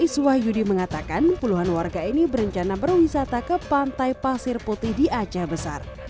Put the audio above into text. iswah yudi mengatakan puluhan warga ini berencana berwisata ke pantai pasir putih di aceh besar